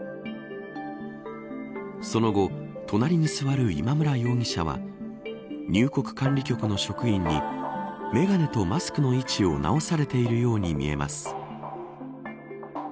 その後、隣に座る今村容疑者は入国管理局の職員に眼鏡とマスクの位置を直されているように見えます。